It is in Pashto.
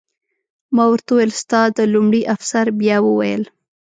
ما ورته وویل: ستا د... لومړي افسر بیا وویل.